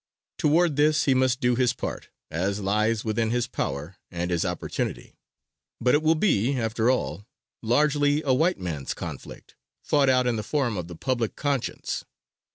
Toward this he must do his part, as lies within his power and his opportunity. But it will be, after all, largely a white man's conflict, fought out in the forum of the public conscience.